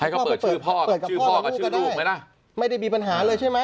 เขาเปิดชื่อพ่อชื่อพ่อกับชื่อลูกไหมล่ะไม่ได้มีปัญหาเลยใช่ไหม